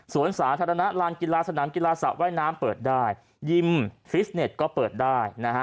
ส่วนสาธารณะลานกีฬาสนามกีฬาสระว่ายน้ำเปิดได้ยิมฟิสเน็ตก็เปิดได้นะฮะ